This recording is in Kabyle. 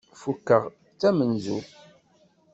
Fukkeɣ d tamenzut.